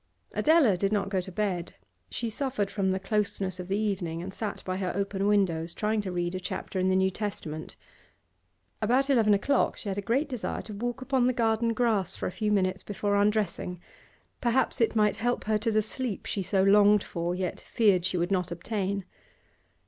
Adela did not go to bed. She suffered from the closeness of the evening and sat by her open windows, trying to read a chapter in the New Testament. About eleven o'clock she had a great desire to walk upon the garden grass for a few minutes before undressing; perhaps it might help her to the sleep she so longed for yet feared she would not obtain.